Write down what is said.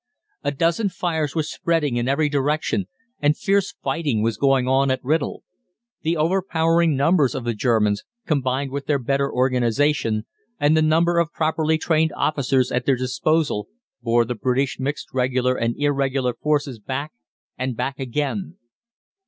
A dozen fires were spreading in every direction, and fierce fighting was going on at Writtle. The overpowering numbers of the Germans, combined with their better organisation, and the number of properly trained officers at their disposal, bore the British mixed Regular and Irregular forces back, and back again.